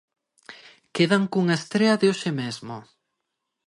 Quedan cunha estrea de hoxe mesmo.